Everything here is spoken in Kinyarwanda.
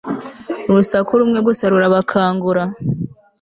Urusaku rumwe gusa rurabakangura